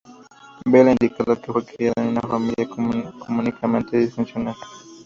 Bell ha indicado que fue criada en una "familia cómicamente disfuncional".